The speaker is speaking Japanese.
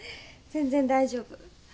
全然大丈夫。